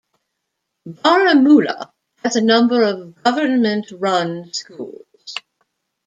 Baramulla has a number of government-run schools.